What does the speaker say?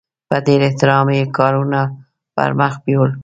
په ډېر احترام یې کارونه پرمخ بیول.